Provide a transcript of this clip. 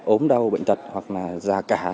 ốm đau bệnh tật hoặc là già cả